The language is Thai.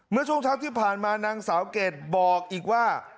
เมื่อช่วงเช้าที่ผ่านมานางสาวเกรดบอกอีกว่า